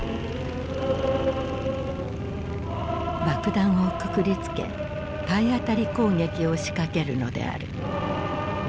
爆弾をくくりつけ体当たり攻撃を仕掛けるのである。